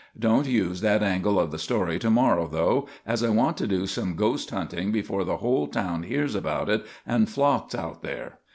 Don't use that angle of the story to morrow, though, as I want to do some ghost hunting before the whole town hears about it and flocks out there.